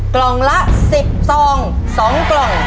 กล่องละ๑๐ซอง๒กล่อง